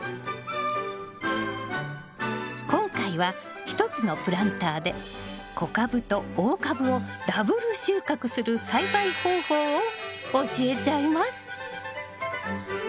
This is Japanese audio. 今回は１つのプランターで小株と大株をダブル収穫する栽培方法を教えちゃいます。